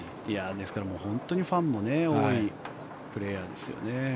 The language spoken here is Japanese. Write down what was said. ですから、ファンも多いプレーヤーですよね。